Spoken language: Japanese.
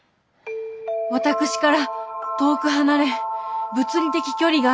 私から遠く離れ物理的距離が空いたために。